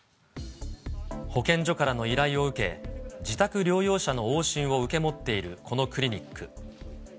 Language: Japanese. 保健所からの依頼を受け、自宅療養者の往診を受け持っているこのクリニック。